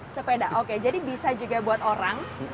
sepeda oke jadi bisa juga buat orang